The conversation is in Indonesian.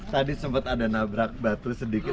tadi sempat ada nabrak batu sedikit